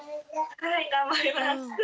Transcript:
はい頑張ります。